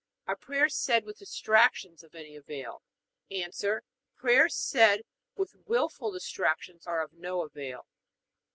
Are prayers said with distractions of any avail? A. Prayers said with wilful distractions are of no avail.